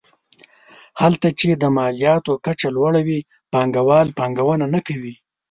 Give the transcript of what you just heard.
هلته چې د مالیاتو کچه لوړه وي پانګوال پانګونه نه کوي.